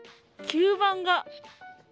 吸盤が。